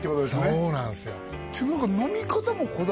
そうなんですよ